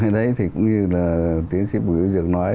hồi đấy cũng như là tiến sĩ bùi dược nói